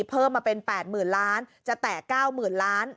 เพิ่มมาเป็น๘๐๐๐ล้านจะแตะ๙๐๐ล้าน